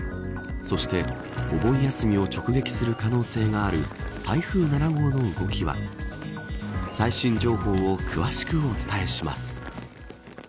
そして、お盆休みに直撃する可能性がある台風７号の動きは最新情報を詳しくお伝えします。